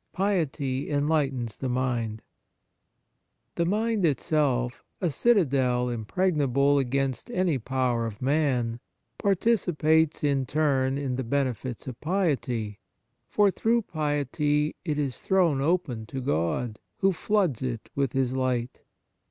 XVI PIETY ENLIGHTENS THE MIND THE mind itself, a citadel im pregnable against any power of man, participates in turn in the benefits of piety ; for, through piety, it is thrown open to God, who floods it with His light.